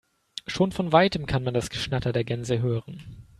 Schon von weitem kann man das Geschnatter der Gänse hören.